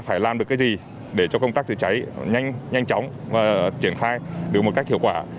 phải làm được cái gì để cho công tác chữa cháy nhanh chóng và triển khai được một cách hiệu quả